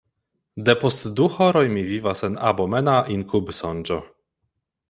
Depost du horoj mi vivas en abomena inkubsonĝo.